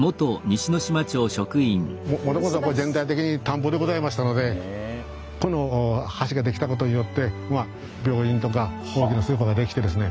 もともとは全体的に田んぼでございましたのでこの橋が出来たことによって病院とか大きなスーパーが出来てですね